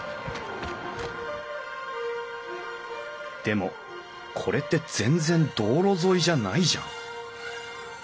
でもこれって全然道路沿いじゃないじゃん。